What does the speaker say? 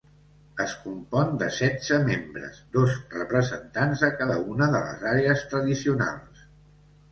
Es compon de setze membres, dos representants de cada una de les àrees tradicionals.